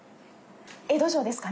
江戸城ですか。